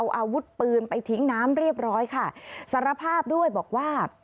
เอาอาวุธปืนไปทิ้งน้ำเรียบร้อยค่ะสารภาพด้วยบอกว่า